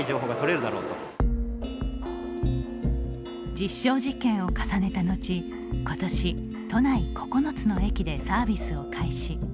実証実験を重ねたのちことし、都内９つの駅でサービスを開始。